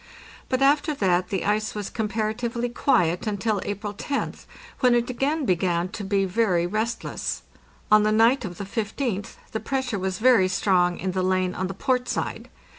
But after that the ice was compara tively quiet until April roth, when it again began to be very rest less. On the night of the 15th the pressure was very strong in the lane on the port side.